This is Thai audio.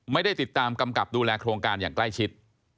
ไม่ได้ติดตามกำกับดูแลโครงการอย่างใกล้ชิด